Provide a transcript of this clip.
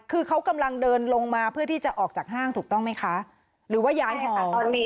คือเขากำลังเดินลงมาเพื่อที่จะออกจากห้างถูกต้องไหมคะหรือว่าย้ายหอ